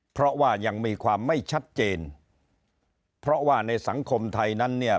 เพราะว่ายังมีความไม่ชัดเจนเพราะว่าในสังคมไทยนั้นเนี่ย